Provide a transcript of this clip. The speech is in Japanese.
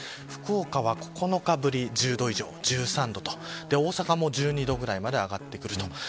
福岡は９日ぶりに１０度以上１３度大阪も１２度ぐらいまで上がってくると。